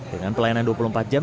dengan pelayanan dua puluh empat jam